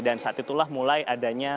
dan saat itulah mulai adanya